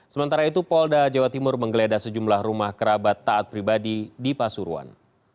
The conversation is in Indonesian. sementara itu polda jawa timur menggeledah sejumlah rumah kerabat taat pribadi di pasuruan